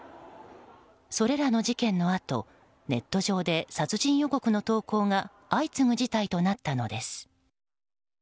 それらの事件のあとネット上で殺人予告の投稿が相次ぐ事態となったのです。